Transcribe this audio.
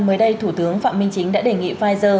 mới đây thủ tướng phạm minh chính đã đề nghị pfizer